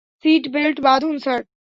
Seat belt বাধুন, sir.